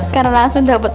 karena langsung dapat